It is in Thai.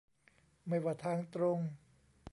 ไม่ว่าทางตรง